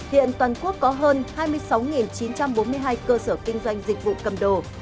hiện toàn quốc có hơn hai mươi sáu chín trăm bốn mươi hai cơ sở kinh doanh dịch vụ cầm đồ